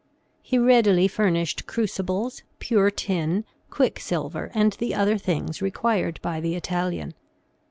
He readily furnished crucibles, pure tin, quicksilver, and the other things required by the Italian.